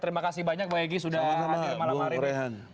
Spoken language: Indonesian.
terima kasih banyak mbak egy sudah hadir malam hari ini